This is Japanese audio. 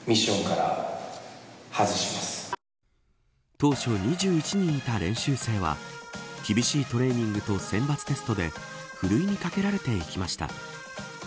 当初２１人いた練習生は厳しいトレーニングと選抜テストでふるいにかけられてきました。